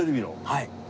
はい。